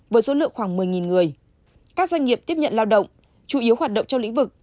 với số lượng khoảng một mươi người các doanh nghiệp tiếp nhận lao động chủ yếu hoạt động trong lĩnh vực